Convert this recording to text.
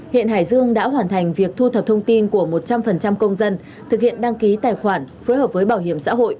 hiện hải dương đã hoàn thành việc thu thập thông tin của một trăm linh công dân thực hiện đăng ký tài khoản phối hợp với bảo hiểm xã hội